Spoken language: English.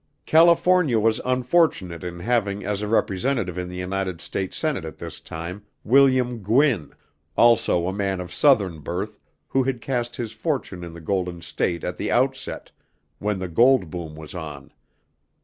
California was unfortunate in having as a representative in the United States Senate at this time, William Gwin, also a man of southern birth who had cast his fortunes in the Golden State at the outset, when the gold boom was on.